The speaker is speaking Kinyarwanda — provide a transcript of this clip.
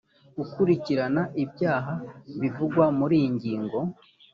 gukurikirana ibyaha bivugwa muri iyi ngingo